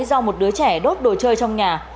do một đứa trẻ đốt đồ chơi trong nhà